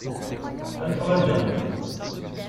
Elle travaille bien.